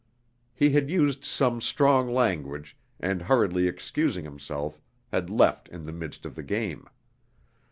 He had used some strong language, and hurriedly excusing himself, had left in the midst of the game.